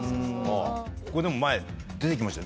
ここでも前出てきましたよ